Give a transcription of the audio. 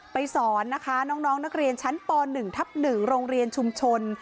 สอนนะคะน้องนักเรียนชั้นป๑ทับ๑โรงเรียนชุมชน